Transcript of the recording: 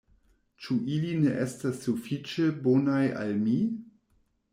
Ĉu ili ne estas sufiĉe bonaj al mi?